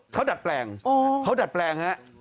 เขาดัดแปลงเขาดัดแปลงฮะ